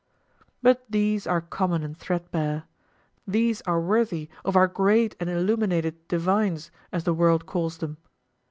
But these are common and threadbare; these are worthy of our great and illuminated divines, as the world calls them!